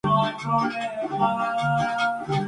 Incluso anima a hacerlo.